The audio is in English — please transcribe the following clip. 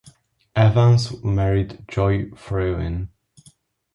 Evans married Joy Frewin.